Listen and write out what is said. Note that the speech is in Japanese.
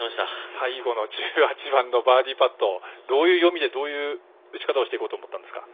最後の１８番のバーディーパットどういう読みでどういう打ち方をしていこうと思ったんですか？